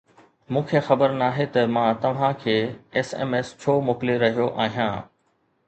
مون کي خبر ناهي ته مان توهان کي ايس ايم ايس ڇو موڪلي رهيو آهيان